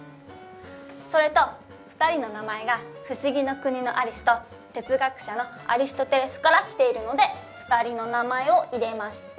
それと２人の名前が「不思議の国のアリス」と哲学者のアリストテレスから来ているので２人の名前を入れました。